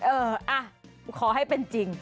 เอออ่ะขอให้เป็นจริง